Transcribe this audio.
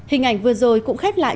hình ảnh vừa rồi cũng khép lại